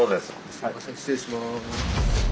すいません失礼します。